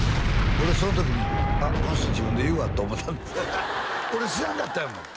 俺その時に「あっこの人自分で言うわ」と思うた俺知らんかったんやもん